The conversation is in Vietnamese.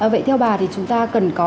vậy theo bà thì chúng ta cần có